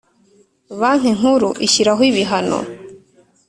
Banki nkuru ishyiraho ibihano